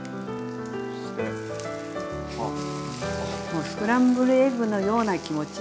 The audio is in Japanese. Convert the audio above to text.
もうスクランブルエッグのような気持ち。